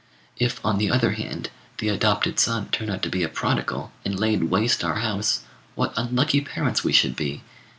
If, on the other hand, the adopted son turned out to be a prodigal, and laid waste our house, what unlucky parents we should be!